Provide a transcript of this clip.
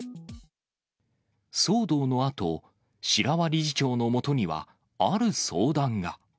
騒動のあと、白輪理事長のもとには、ある相談が。